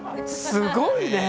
すごいね。